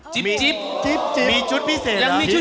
จิ๊บอย่างมีชุดพิเศษเหรอ